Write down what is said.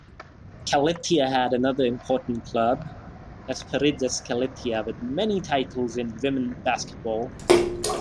Kallithea had another important club, Esperides Kallithea with many titles in women basketball.